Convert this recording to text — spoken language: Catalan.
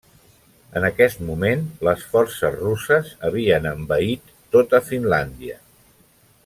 En aquest moment, les forces russes havien envaït tota Finlàndia.